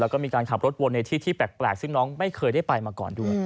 แล้วก็มีการขับรถวนในที่ที่แปลกซึ่งน้องไม่เคยได้ไปมาก่อนด้วย